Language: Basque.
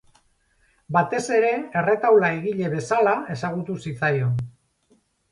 Batez ere erretaula egile bezala ezagutu zitzaion.